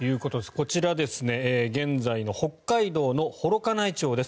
こちら現在の北海道の幌加内町です。